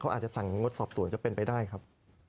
เขาอาจจะสั่งงดสอบสวนก็เป็นไปได้ครับ